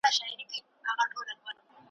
د اولس برخه یې ځانځاني سي `